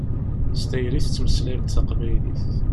S tayri i tettmeslayemt taqbaylit.